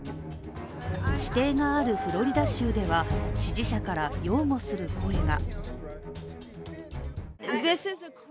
私邸があるフロリダ州では支持者から擁護する声が。